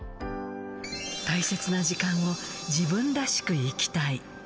大切な時間を自分らしく生きたい。